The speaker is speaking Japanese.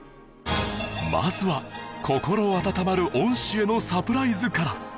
まずは心温まる恩師へのサプライズから